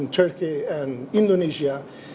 antara turki dan indonesia